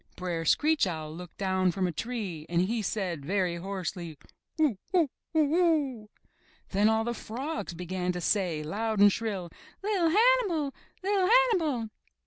Br'er Screech Owl looked down from a tree and he said very hoarsely: "Who! Who! Who oo!" Then all the frogs began to say, loud and shrill, *'Li'r Hannibal! UT Hannibal!"